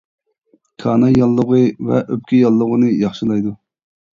كاناي ياللۇغى ۋە ئۆپكە ياللۇغىنى ياخشىلايدۇ.